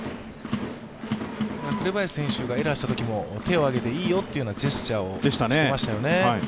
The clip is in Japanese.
紅林選手がエラーをしたときも、手を挙げて、いいよというジェスチャーをしていましたよね